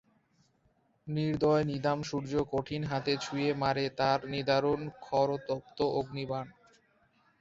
নির্দয় নিদাম সূর্য কঠিন হাতে ছুড়ে মারে তার নিদারুন খড়তপ্ত অগ্নির্বাণ।